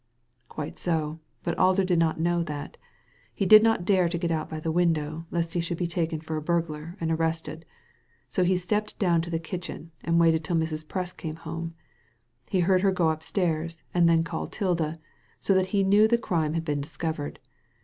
''Quite so; but Alder did not know that. He did not dare to get out by the window, lest he should be taken for a burglar, and arrested ; so he stepped down to the kitchen and waited till Mrs. Presk came home. He heard her go upstairs and then call Tilda, so that he knew the crime had been discovered.